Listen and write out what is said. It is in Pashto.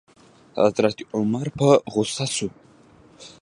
حضرت عمر په غوسه شو.